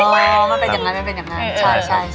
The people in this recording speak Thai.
อ๋อมันเป็นอย่างนั้นใช่ใช่